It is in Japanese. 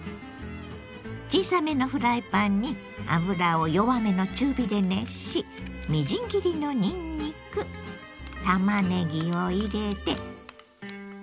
小さめのフライパンに油を弱めの中火で熱しみじん切りのにんにくたまねぎを入れて。